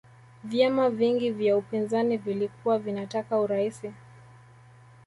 vyama vingi vya upinzani vilikuwa vinataka uraisi